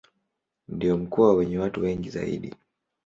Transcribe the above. Ndio mkoa wenye watu wengi zaidi.